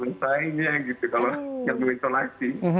jadi nggak bisa selesainya gitu kalau nggak boleh isolasi